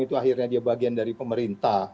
itu akhirnya dia bagian dari pemerintah